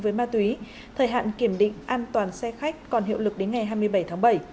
với ma túy thời hạn kiểm định an toàn xe khách còn hiệu lực đến ngày hai mươi bảy tháng bảy